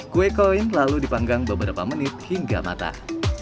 kue koin lalu dipanggang beberapa menit hingga matang